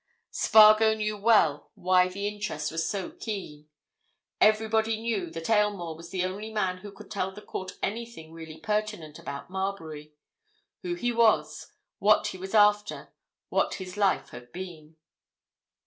Spargo knew well why the interest was so keen—everybody knew that Aylmore was the only man who could tell the court anything really pertinent about Marbury; who he was, what he was after; what his life had been.